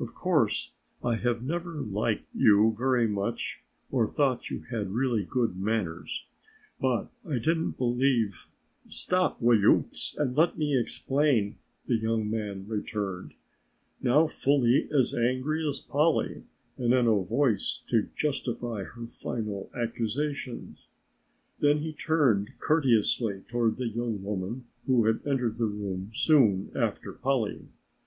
Of course I have never liked you very much or thought you had really good manners, but I didn't believe " "Stop, will you, and let me explain," the young man returned, now fully as angry as Polly and in a voice to justify her final accusation. Then he turned courteously toward the young woman who had entered the room soon after Polly.